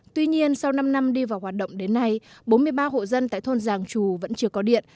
tuy nhiên sau năm năm đi vào hoạt động đến nay bốn mươi ba hộ dân tại thôn giàng trù vẫn chưa có điện